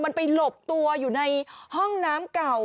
มันไปหลบตัวอยู่ในห้องน้ำเก่า